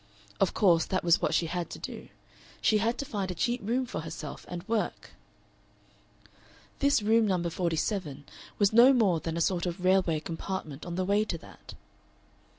Of course that was what she had to do; she had to find a cheap room for herself and work! This Room No. 47 was no more than a sort of railway compartment on the way to that.